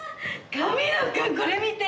神野くんこれ見て！